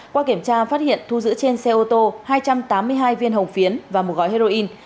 qua kiểm tra phát hiện thu giữ trên xe ô tô hai trăm tám mươi hai viên hồng phiến và một gói heroin